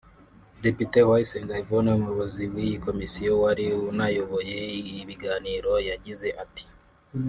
Depite Uwayisenga Yvonne umuyobozi w’iyi komisiyo wari unayoboye ibiganiro yagize ati